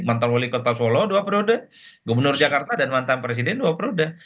mantan wali kota solo dua periode gubernur jakarta dan mantan presiden dua periode